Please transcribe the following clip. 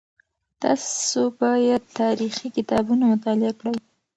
تاسو باید تاریخي کتابونه مطالعه کړئ.